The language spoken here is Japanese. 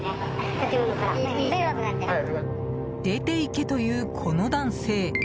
出て行けと言う、この男性。